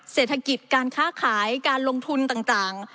เศรษฐกิจการค้าขายการลงทุนต่าง